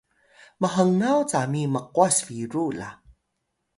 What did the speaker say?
mhngaw cami mqwas biru la